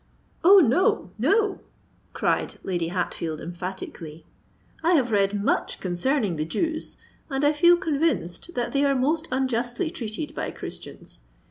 "Oh! no—no," cried Lady Hatfield emphatically. "I have read much concerning the Jews, and I feel convinced that they are most unjustly treated by Christians.